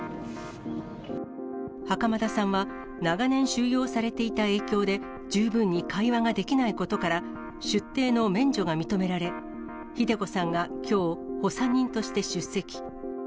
袴田さんは長年収容されていた影響で、十分に会話ができないことから、出廷の免除が認められ、ひで子さんがきょう、補佐人として出席。